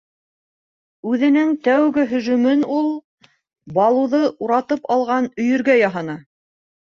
Үҙенең тәүге һөжүмен ул Балуҙы уратып алған өйөргә яһаны.